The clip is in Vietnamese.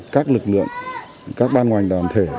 các lực lượng các ban ngoài đoàn thể